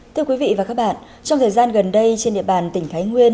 thưa quý vị và các bạn trong thời gian gần đây trên địa bàn tỉnh thái nguyên